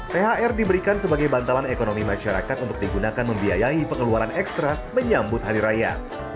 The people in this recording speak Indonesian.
thr diberikan sebagai bantalan ekonomi masyarakat untuk digunakan membiayai pengeluaran ekstra menyambut hari raya